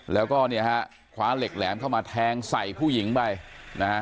แล้วก็เนี่ยฮะคว้าเหล็กแหลมเข้ามาแทงใส่ผู้หญิงไปนะฮะ